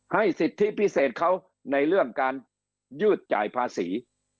สิทธิพิเศษเขาในเรื่องการยืดจ่ายภาษี